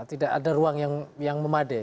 tidak ada ruang yang memadai